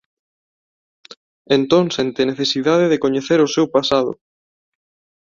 Entón sente necesidade de coñecer o seu pasado.